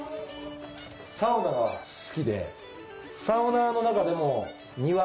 サウナが好きで。